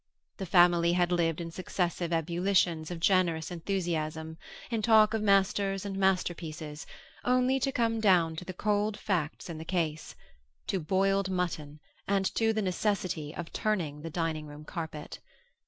The family had lived in successive ebullitions of generous enthusiasm, in talk of masters and masterpieces, only to come down to the cold facts in the case; to boiled mutton and to the necessity of turning the dining room carpet.